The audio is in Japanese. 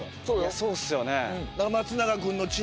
そうっすよね。